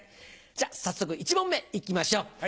じゃあ早速１問目いきましょう。